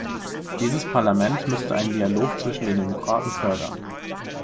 Dieses Parlament müsste einen Dialog zwischen den Demokraten fördern.